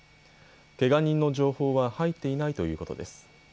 けが人の情報は入っていないということです。